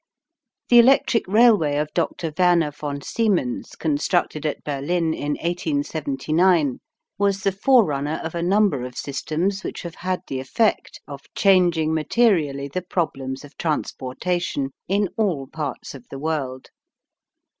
The electric railway of Dr. Werner von Siemens constructed at Berlin in 1879 was the forerunner of a number of systems which have had the effect of changing materially the problems of transportation in all parts of the world.